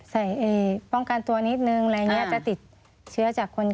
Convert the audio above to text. ใช่ป้องกันตัวนิดนึงอะไรนี้เขาจะติดเชื้อจากคนแข้น